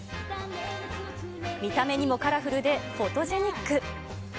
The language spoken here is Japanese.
見た目にもカラフルでフォトジェニック。